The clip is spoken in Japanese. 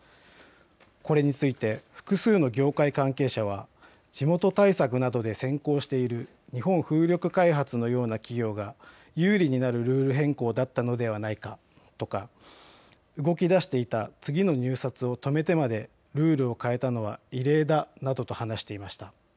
これについて複数の業界関係者は地元対策などで先行している日本風力開発のような企業が有利になるルール変更だったのではないかとか、動き出していた次の入札を止めてまでルールを変えたのは異例だなどと話していました。